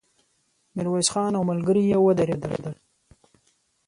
ميرويس خان او ملګري يې ودرېدل.